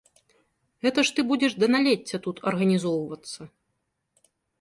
Гэта ж ты будзеш да налецця тут арганізоўвацца.